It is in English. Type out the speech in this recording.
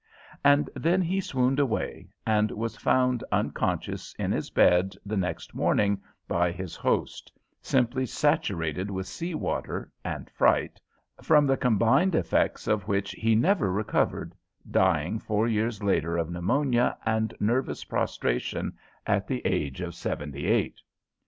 And then he swooned away, and was found unconscious in his bed the next morning by his host, simply saturated with sea water and fright, from the combined effects of which he never recovered, dying four years later of pneumonia and nervous prostration at the age of seventy eight.